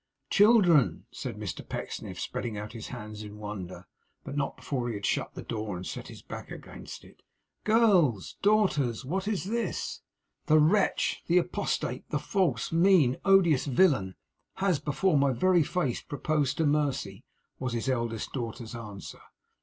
'Children!' said Mr Pecksniff, spreading out his hands in wonder, but not before he had shut the door, and set his back against it. 'Girls! Daughters! What is this?' 'The wretch; the apostate; the false, mean, odious villain; has before my very face proposed to Mercy!' was his eldest daughter's answer.